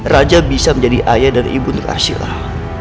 raja bisa menjadi ayah dan ibu terakhirlah